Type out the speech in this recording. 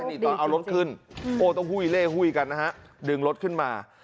นี่ตอนเอารถขึ้นโอ้ต้องหุ้ยเล่หุ้ยกันนะฮะดึงรถขึ้นมา